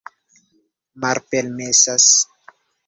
Malpermesas?